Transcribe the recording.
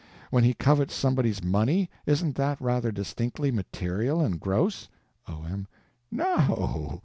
When he covets somebody's money—isn't that rather distinctly material and gross? O.M. No.